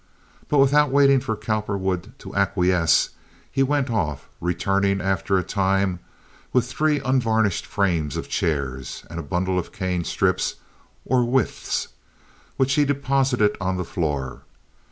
But without waiting for Cowperwood to acquiesce, he went off, returning after a time with three unvarnished frames of chairs and a bundle of cane strips or withes, which he deposited on the floor.